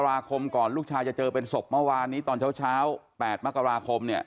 ราคมก่อนลูกชายจะเจอเป็นศพเมื่อวานนี้ตอนเช้า๘มกราคมเนี่ย